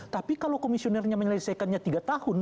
tapi kalau komisionernya menyelesaikannya tiga tahun